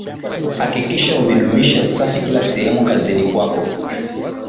Hakikisha umedumisha usafi kila sehemu kazini kwako